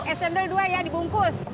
es cendol dua yang dibungkus